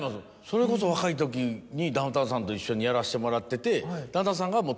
それこそ若いときにダウンタウンさんと一緒にやらせてもらってて。